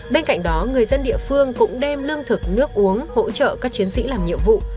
bên cạnh đó người dân địa phương cũng đem lương thực nước uống hỗ trợ các chiến sĩ làm nhiệm vụ